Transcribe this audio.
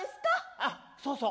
あっそうそう！